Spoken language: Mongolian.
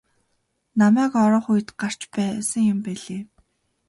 Намайг орох үед гарч байсан юм билээ.